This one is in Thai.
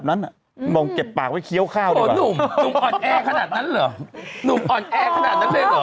หนุ่มอ่อนแอร์ขนาดนั้นละหรือ